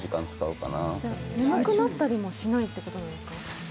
じゃあ、眠くなったりもしないってことですか？